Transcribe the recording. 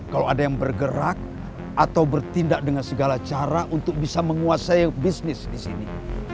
kalau ada yang bergerak atau bertindak dengan segala cara untuk bisa menguasai bisnis di sini